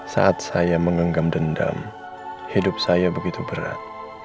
saat saya mengenggam dendam hidup saya begitu berat